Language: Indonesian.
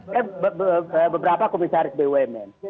saya beberapa komisaris bumn